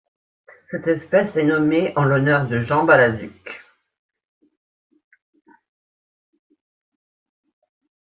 Cette espèce est nommée en l'honneur de Jean Balazuc.